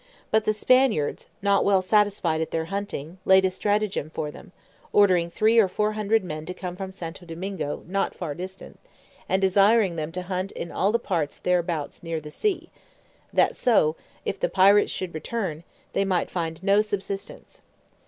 But the Spaniards, not well satisfied at their hunting, laid a stratagem for them, ordering three or four hundred men to come from Santo Domingo not far distant, and desiring them to hunt in all the parts thereabout near the sea, that so, if the pirates should return, they might find no subsistence.